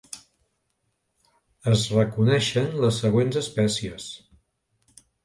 Es reconeixen les següents espècies.